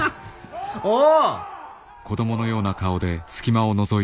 おお！